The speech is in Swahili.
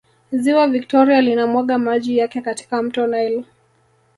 ziwa victoria linamwaga maji yake katika mto nile